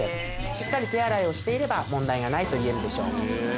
しっかり手洗いをしていれば問題がないといえるでしょう。